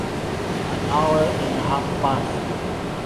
An hour and a half passed.